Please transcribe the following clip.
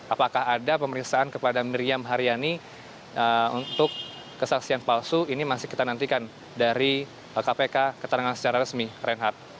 apakah ada pemeriksaan kepada miriam haryani untuk kesaksian palsu ini masih kita nantikan dari kpk keterangan secara resmi reinhardt